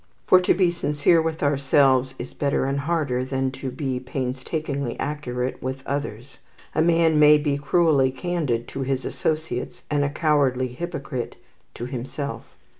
For to be sincere with ourselves is better and harder than to be painstakingly accurate with others. A man may be cruelly candid to his associates, and a cowardly hypocrite to himself.